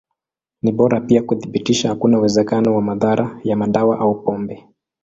Ni bora pia kuthibitisha hakuna uwezekano wa madhara ya madawa au pombe.